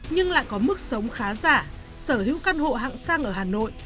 nhưng lại có mức sống khá giả sở hữu căn hộ hạng sang ở hà nội